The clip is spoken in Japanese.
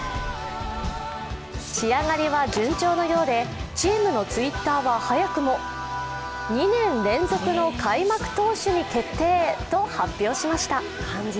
仕上がりは順調のようでチームのＴｗｉｔｔｅｒは早くも、２年連続の開幕投手に決定と発表しました。